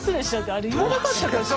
あれ言わなかったっけ？